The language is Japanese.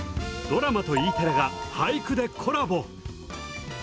ドラマとＥテレが俳句でコラボ！